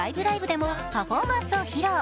でもパフォーマンスを披露。